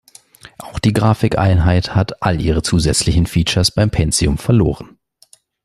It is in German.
Auch die Grafikeinheit hat all ihre zusätzlichen Features beim Pentium verloren.